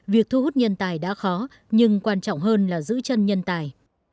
việc thu hút nhân tài đã khó nhưng quan trọng hơn là giữ chân nhân tài